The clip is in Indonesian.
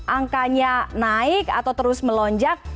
angkanya naik atau terus melonjak